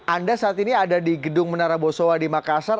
anda saat ini ada di gedung menara bosowa di makassar